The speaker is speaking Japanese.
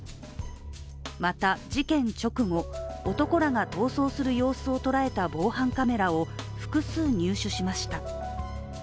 また事件直後、男らが逃走する様子を捉えた防犯カメラを複数入手しました。